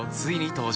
登場！